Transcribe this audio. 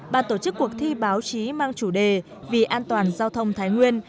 ban tổ chức cuộc thi báo chí mang chủ đề vì an toàn giao thông thái nguyên